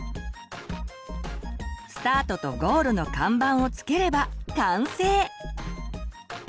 スタートとゴールの看板を付ければ完成！